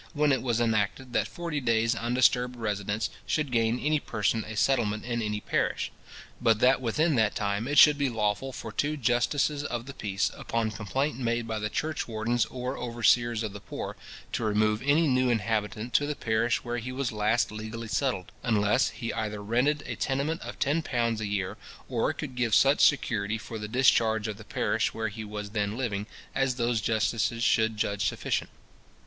when it was enacted, that forty days undisturbed residence should gain any person a settlement in any parish; but that within that time it should be lawful for two justices of the peace, upon complaint made by the church wardens or overseers of the poor, to remove any new inhabitant to the parish where he was last legally settled; unless he either rented a tenement of ten pounds a year, or could give such security for the discharge of the parish where he was then living, as those justices should judge sufficient.